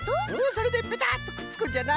それでペタッとくっつくんじゃな。